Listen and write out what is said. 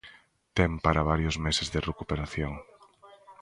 Ten para varios meses de recuperación.